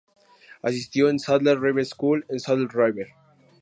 Asistió al Saddle River School en Saddle River.